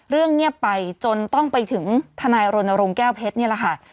เงียบไปจนต้องไปถึงทนายรณรงค์แก้วเพชรนี่แหละค่ะ